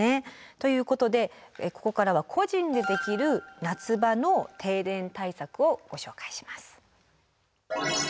ということでここからは個人でできる夏場の停電対策をご紹介します。